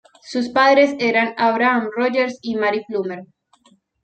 Sus padres eran Abraham Rogers y Mary Plummer.